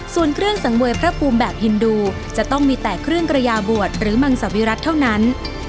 ส่วนเครื่องสังเวยพระภูมิแบบฮินดูจะต้องมีแต่เครื่องกระยาบวชหรือมังสวิรัติเท่านั้น